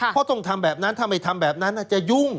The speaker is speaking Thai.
เพราะต้องทำแบบนั้นถ้าไม่ทำแบบนั้นจะยุ่ง